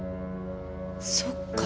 そっか。